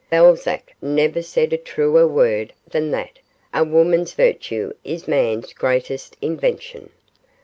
'Balzac never said a truer word than that "a woman's virtue is man's greatest invention."